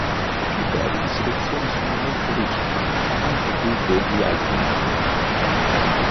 I criteri di selezione sono molto rigidi, anche più degli altri major.